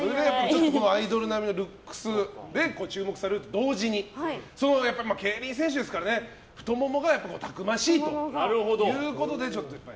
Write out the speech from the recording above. アイドル並みのルックスで注目されると同時に競輪選手ですから太ももがたくましいということで。